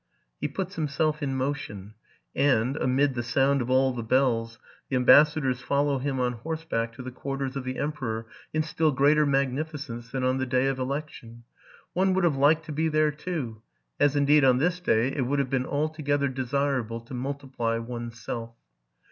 He puts humself in motion ; and, amid the sound of all the bells, the ambassadors follow him on horseback to the quarters t 4 E .:. RELATING TO MY LIFE. 165 of the emperor in still greater magnificence than on the dey of election. One would have liked to be there too; as indeed, on this day, it would have been altogether desirable to multiply one's self.